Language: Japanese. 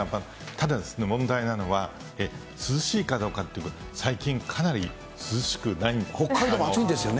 ただ、問題なのは、涼しいかどうかってこと、最近、北海道も暑いんですよね。